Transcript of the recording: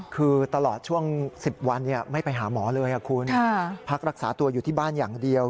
คือตลอดช่วง๑๐วันไม่ไปหาหมอเลยคุณพักรักษาตัวอยู่ที่บ้านอย่างเดียว